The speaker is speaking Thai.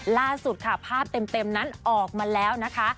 ล่าสุดค่ะภาพเต็มนั้นออกมาแล้วนะคะ